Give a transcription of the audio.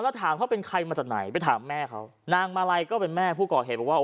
แล้วถามเขาเป็นใครมาจากไหนไปถามแม่เขานางมาลัยก็เป็นแม่ผู้ก่อเหตุบอกว่า